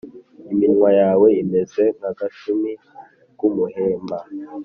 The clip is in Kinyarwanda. Iminwa yawe imeze nk’agashumi k’umuhemba,